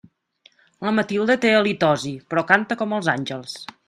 La Matilde té halitosi, però canta com els àngels.